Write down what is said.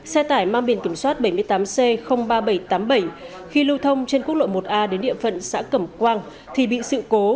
xe tải mang biển kiểm soát bảy mươi tám c ba nghìn bảy trăm tám mươi bảy khi lưu thông trên quốc lộ một a đến địa phận xã cẩm quang thì bị sự cố